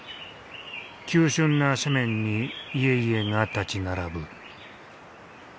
急しゅんな斜面に家々が立ち並ぶ。